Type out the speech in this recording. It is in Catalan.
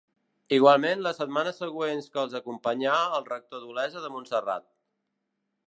Igualment les setmanes següents que els acompanyà el rector d'Olesa de Montserrat.